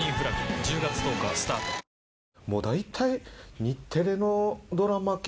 もう大体。